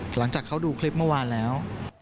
หลังจากเขาดูคลิปเมื่อวานแล้ว